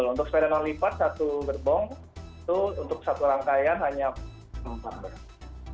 untuk sepeda non lipat satu gerbong itu untuk satu rangkaian hanya empat berat